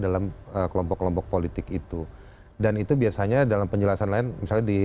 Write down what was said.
dalam kelompok kelompok politik itu dan itu biasanya dalam penjelasan lain misalnya di